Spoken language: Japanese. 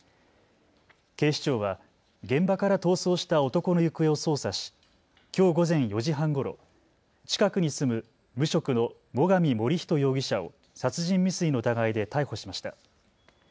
警視庁は現場から逃走した男の行方を捜査しきょう午前４時半ごろ、近くに住む無職の最上守人容疑者を殺人未遂の疑いで逮捕しました。